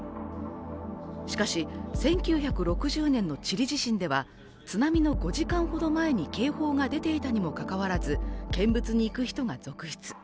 しかし、１９６０年のチリ地震では津波の５時間ほど前に警報が出ていたにもかかわらず、見物に行く人が続出。